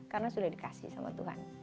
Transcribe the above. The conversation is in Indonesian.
karena sudah dikasih sama tuhan